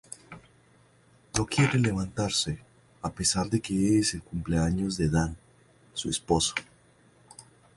No quiere levantarse a pesar de que es el cumpleaños de Dan, su esposo.